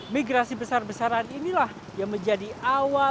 migrasi besar besaran inilah yang menyebabkan kota medan menjadi kota multikultural